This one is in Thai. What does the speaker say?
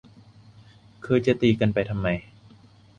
คือจะตีกันไปทำไม